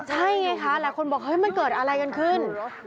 ใช่ไงคะหลายคนบอกเฮ้ยมันเกิดอะไรกันขึ้น